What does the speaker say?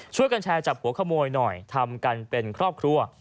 ช่วยกันแชร์จับหัวขโมยหน่อยทำกันเป็นครอบครัว